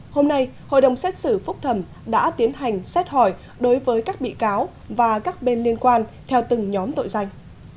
hôm nay hội đồng xét xử phúc thẩm đã tiến hành xét hỏi đối với các bị cáo và các bên liên quan theo từng nhóm tội danh